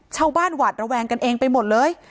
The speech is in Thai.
ชาวบ้านหวาดระแวงกันเองไปหมดเลย